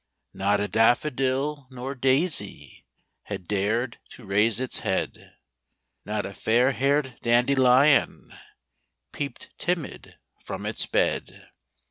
Not a daffodil nor daisy Had dared to raise its head; Not a fairhaired dandelion Peeped timid from its bed; THE CROCUSES.